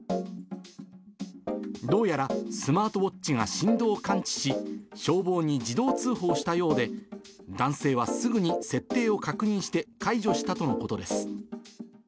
どうやらスマートウォッチが振動を感知し、消防に自動通報したようで、男性はすぐに設定を確認して、解除したとのことです。